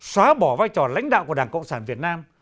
xóa bỏ vai trò lãnh đạo của đảng cộng sản việt nam